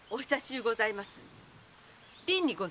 “りん”にございます。